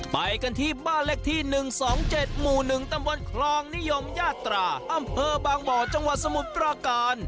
ไปกันที่บ้านเลขที่๑๒๗หมู่๑ตำบลคลองนิยมญาตราอำเภอบางบ่อจังหวัดสมุทรปราการ